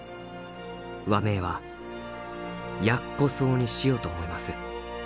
「和名は『ヤッコソウ』にしようと思います」。